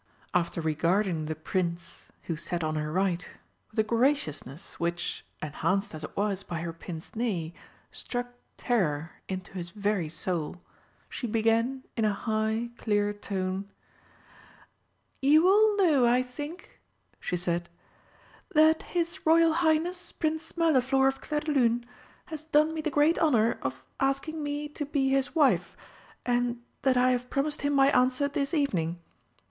After regarding the Prince, who sat on her right, with a graciousness which, enhanced as it was by her pince nez, struck terror into his very soul, she began in a high, clear tone: "You all know, I think," she said, "that his Royal Highness Prince Mirliflor of Clairdelune has done me the great honour of asking me to be his wife, and that I have promised him my answer this evening.